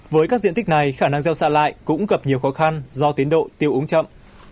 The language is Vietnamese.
với các diện tích này khả năng gieo xạ lại cũng gặp nhiều khó khăn do tiến độ tiêu úng chậm